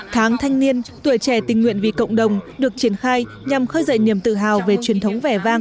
tháng thanh niên tuổi trẻ tình nguyện vì cộng đồng được triển khai nhằm khơi dậy niềm tự hào về truyền thống vẻ vang